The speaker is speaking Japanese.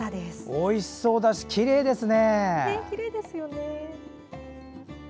おいしそうだしきれいですね。